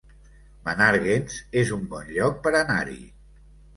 Menàrguens es un bon lloc per anar-hi